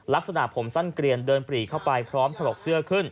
ลักษณะผมสั้นเกลียนเดินปรีเข้าไปพร้อมถลกเสื้อขึ้น